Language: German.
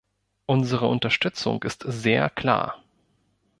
Unsere Unterstützung ist sehr klar.